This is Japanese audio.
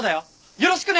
よろしくね。